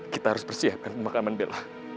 kita harus persiapkan pemakaman bela